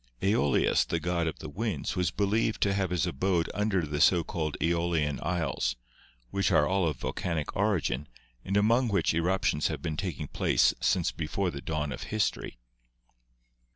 ^Eolus, the god of the winds, was believed to have his abode under the so called ^Eolian Isles, which are all of volcanic origin and among which eruptions have been taking place since before the dawn of history.